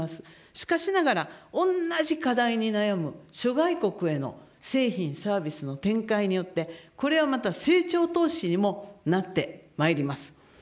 しかしながら、同じ課題に悩む諸外国への製品、サービスの展開によって、これはまた、成長投資にもなってまいります。